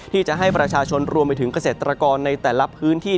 ที่จะให้ประชาชนรวมไปถึงเกษตรกรในแต่ละพื้นที่